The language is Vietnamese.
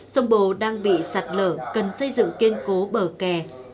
sông bồ đang bị sạt lở cần xây dựng kiên cố bờ kè